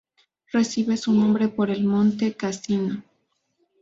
Recibe su nombre por el Monte Cassino.